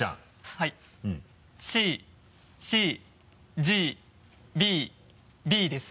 はい「ＣＣＧＢＢ」です。